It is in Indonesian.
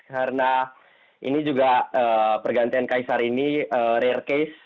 karena ini juga pergantian kaisar ini rare case